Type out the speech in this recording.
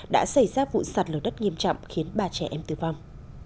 đã xảy ra vụ sạt lở đất nghiêm trọng khiến ba trẻ em tử vong